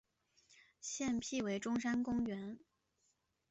现辟为中山公园。